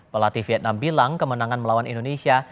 pelatih vietnam bilang kemenangan melawan indonesia